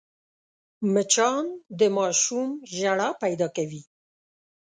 مچان د ماشوم ژړا پیدا کوي